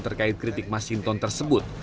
terkait kritik mas hinton tersebut